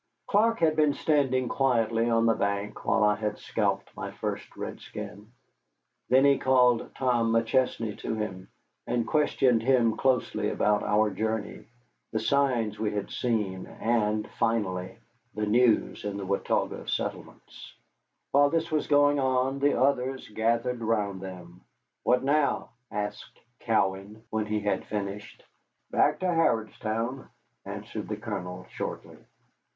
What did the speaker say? Clark had been standing quietly on the bank while I had scalped my first redskin. Then he called Tom McChesney to him and questioned him closely about our journey, the signs we had seen, and, finally, the news in the Watauga settlements. While this was going on the others gathered round them. "What now?" asked Cowan, when he had finished. "Back to Harrodstown," answered the Colonel, shortly.